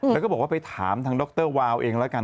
แล้วก็บอกว่าไปถามทางดรวาวเองแล้วกัน